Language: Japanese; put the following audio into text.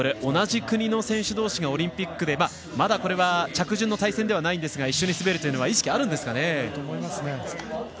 同じ国の選手同士がオリンピックで、まだこれは着順の対戦ではないですが一緒に滑るというのはあると思いますね。